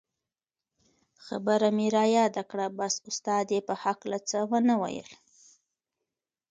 خبره مې رایاده کړه بس استاد یې په هکله څه و نه ویل.